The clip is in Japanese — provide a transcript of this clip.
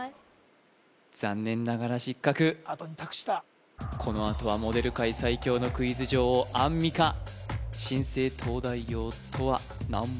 残念ながら失格あとに託したこのあとはモデル界最強のクイズ女王・アンミカない！？